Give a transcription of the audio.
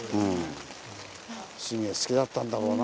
伏見が好きだったんだろうな